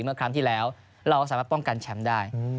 เมื่อครั้งที่แล้วเราก็สามารถป้องกันแชมป์ได้